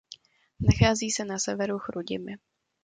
Nachází se na severu Chrudimi.